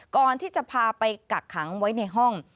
ก่อนที่จะพาไปกักขังไว้ในห้อง